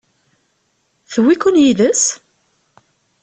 Tewwi-ken yid-s?